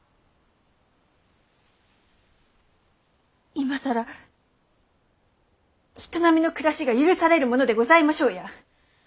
今更人並みの暮らしが許されるものでございましょうや。